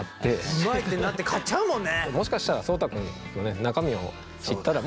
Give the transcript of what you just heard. うまいってなって買っちゃうもんね！